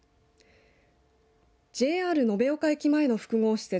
ＪＲ延岡駅前の複合施設